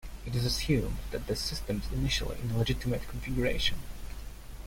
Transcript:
It is assumed that the system is initially in a legitimate configuration.